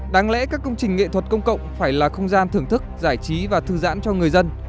đáng lẽ các công trình nghệ thuật công cộng phải là không gian thưởng thức giải trí và thư giãn cho người dân